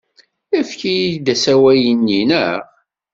Efk-iyi-d asawal-nni, naɣ?